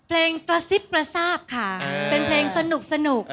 เอ่อน่ารักสมวัยกับฝนธนสุนทร